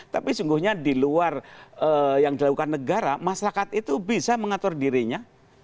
tapi sungguhnya di luar yang dilakukan negara masyarakat itu bisa mengatur dirinya